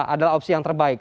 adalah opsi yang terbaik